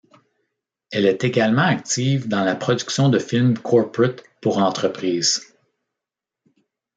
Elle est également active dans la production de films corporate pour entreprises.